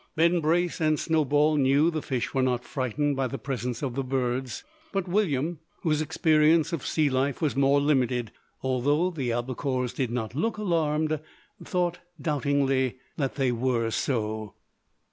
Ben Brace and Snowball knew the fish were not frightened by the presence of the birds; but William, whose experience of sea life was more limited, although the albacores did not look alarmed, thought, doubtingly, that they were so.